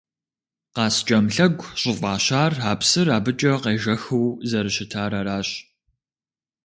«Къаскӏэм лъэгу» щӏыфӏащар а псыр абыкӏэ къежэхыу зэрыщытар аращ.